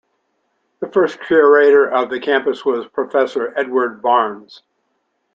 The first curator of the campus was Professor Edward Barnes.